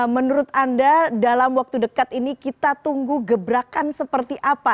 menurut anda dalam waktu dekat ini kita tunggu gebrakan seperti apa